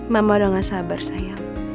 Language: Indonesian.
mama udah gak sabar sayang